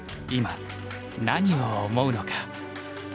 今何を思うのか。